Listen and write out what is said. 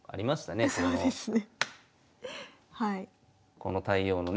この対応のね